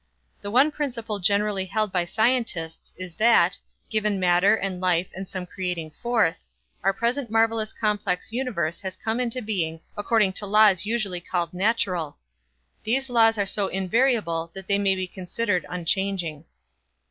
The one principle generally held by scientists is that, given matter and life and some creating force, our present marvelous complex universe has come into being according to laws usually called natural. These laws are so invariable that they may be considered unchanging.